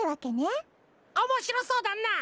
おもしろそうだなあ！